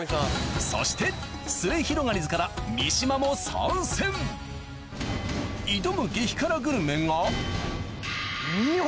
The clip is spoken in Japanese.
そしてすゑひろがりずから三島も参戦挑む激辛グルメが見よ